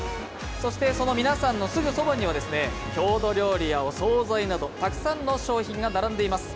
その皆さんのすぐそばには郷土料理やお総菜などたくさんの商品が並んでいます。